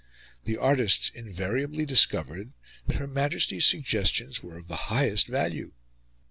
The artists invariably discovered that Her Majesty's suggestions were of the highest value.